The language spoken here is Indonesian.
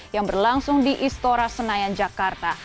yang berlangsung di istora senayan jakarta